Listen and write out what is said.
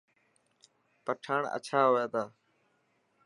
پٺاڻ اڇا هوئي تا.